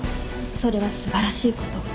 それは素晴らしいこと